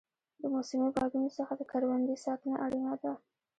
د موسمي بادونو څخه د کروندې ساتنه اړینه ده.